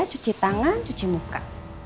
cuci tangan cuci muka